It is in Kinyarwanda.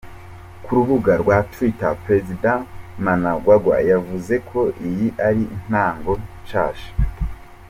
Ku rubuga rwa twitter prezida Mnagagwa yavuze ko iyi ari intango nshasha.